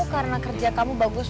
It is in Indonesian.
karena kerja kamu bagus